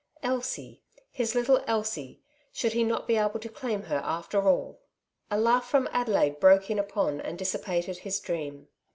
"Elsie, his little Elsie, should he not be able to claim her after all ?" A laugh from Adelaide broke in upon and dis sipated his dream.